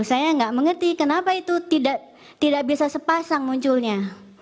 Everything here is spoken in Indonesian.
saya nggak mengerti kenapa itu tidak bisa sepasang munculnya